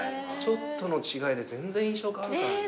ちょっとの違いで全然印象変わるからね。